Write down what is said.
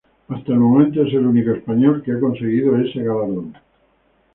Hasta el momento es el único español que ha conseguido ese galardón.